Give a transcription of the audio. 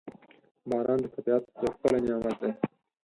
• باران د طبیعت یو ښکلی نعمت دی.